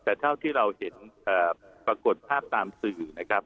แต่เท่าที่เราเห็นปรากฏภาพตามสื่อนะครับ